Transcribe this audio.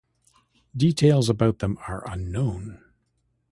Details about them are unknown.